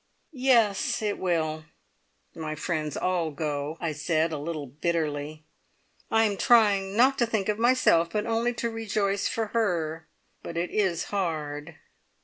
"Yes, it will. My friends all go," I said a little bitterly. "I am trying not to think of myself, but only to rejoice for her; but it is hard!"